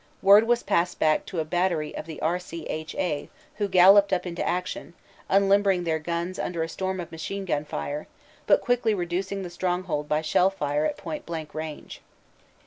Word was passed back to a battery of the R.C.H.A., who galloped up into action, unlimbering their guns under a storm of machine gun fire, but quickly reducing the stronghold by shell fire at point blank range.